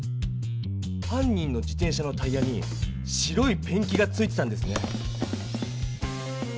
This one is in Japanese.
犯人の自転車のタイヤに白いペンキがついてたんですね。